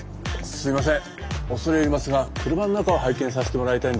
すいません。